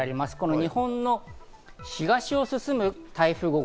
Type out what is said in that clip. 日本の東を進む台風５号。